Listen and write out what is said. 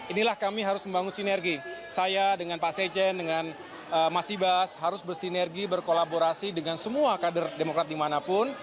inilah kami harus membangun sinergi saya dengan pak sejen dengan mas ibas harus bersinergi berkolaborasi dengan semua kader demokrat dimanapun